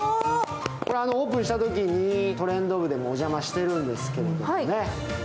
オープンしたときに「トレンド部」でもおじゃましているんですけれどもね。